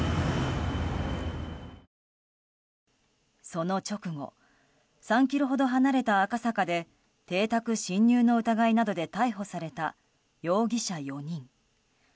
その直後３ｋｍほど離れた赤坂で邸宅侵入の疑いなどで逮捕された容疑者４人。